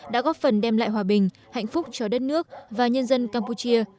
đã góp phần đem lại hòa bình hạnh phúc cho đất nước và nhân dân campuchia